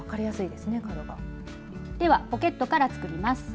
ではポケットから作ります。